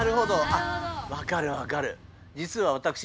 あっわかるわかる。